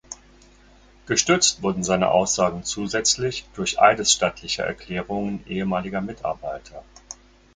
Gestützt wurden seine Aussagen zusätzlich durch Eidesstattliche Erklärungen ehemaliger Mitarbeiter.